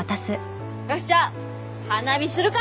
よしじゃあ花火するか！